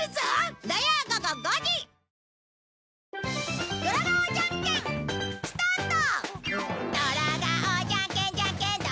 土曜午後５時スタート！